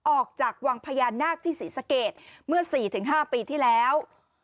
ออกจากวังพญานาคที่ศรีสะเกดเมื่อ๔๕ปีที่แล้ว